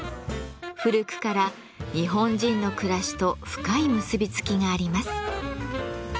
古くから日本人の暮らしと深い結び付きがあります。